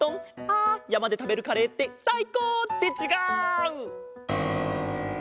あやまでたべるカレーってさいこう！ってちがう！